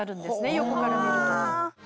横から見ると。